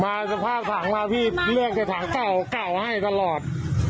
สภาพถังมาพี่เลือกจะถังเก่าเก่าให้ตลอด